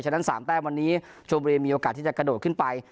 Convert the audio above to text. ฉะนั้น๓แต้มวันนี้ชมบุรีมีโอกาสที่จะกระโดดขึ้นไป